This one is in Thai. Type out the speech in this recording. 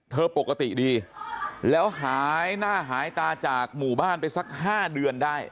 ปกติดีแล้วหายหน้าหายตาจากหมู่บ้านไปสัก๕เดือนได้